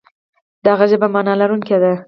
د هغه ژبه معنا لرونکې ده.